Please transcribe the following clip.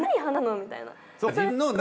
みたいな。